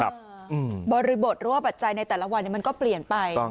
บริบทหรือว่าปัจจัยในแต่ละวันมันก็เปลี่ยนไป